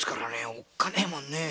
おっかねえもんねえ。